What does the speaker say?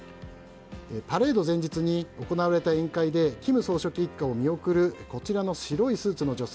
パレード前日に行われた委員会で金総書記一家を見送るこちらの白いスーツの女性。